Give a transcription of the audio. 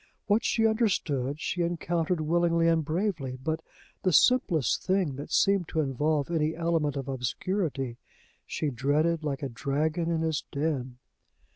What she understood, she encountered willingly and bravely; but, the simplest thing that seemed to involve any element of obscurity, she dreaded like a dragon in his den.